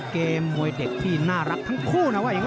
ลุ้นเด็กที่น่ารักทั้งคู่นะการถ่วง